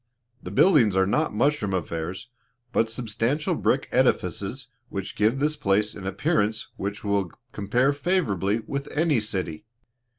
The buildings are not mushroom affairs, but substantial brick edifices which give this place an appearance which will compare favorably with any city.